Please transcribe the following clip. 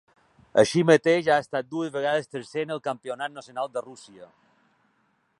Així mateix ha estat dues vegades tercer en el campionat nacional de Rússia.